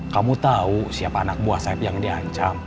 kamu tahu siapa anak buah sayap yang diancam